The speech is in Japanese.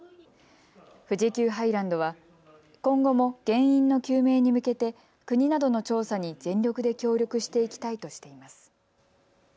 富士急ハイランドは今後も原因の究明に向けて国などの調査に全力で協力していきたいとしています。